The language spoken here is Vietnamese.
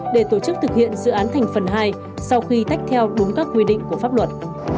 để tổ chức thực hiện dự án thành phần hai sau khi tách theo đúng các quy định của pháp luật